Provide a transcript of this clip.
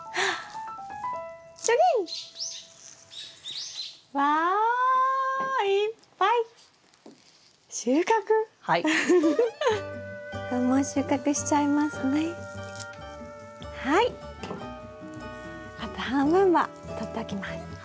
あと半分はとっておきます。